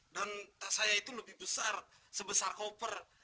dan tas saya itu lebih besar sebesar koper